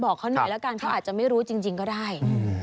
บอกเขาหน่อยแล้วกันเขาอาจจะไม่รู้จริงก็ได้